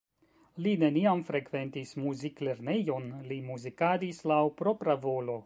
Li neniam frekventis muziklernejon, li muzikadis laŭ propra volo.